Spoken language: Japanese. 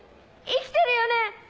生きてるよね？